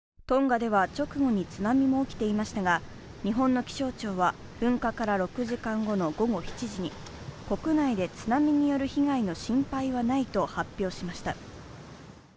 トンガでは直後に津波も起きていましたが、日本の気象庁は、噴火から６時間後の午後７時に国内で津波による被害の心配はないと発表しました。